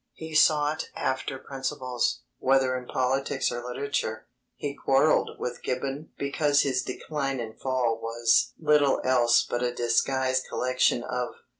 He sought after principles, whether in politics or literature. He quarrelled with Gibbon because his Decline and Fall was "little else but a disguised collection of